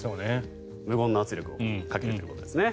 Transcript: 無言の圧力をかけるということですね。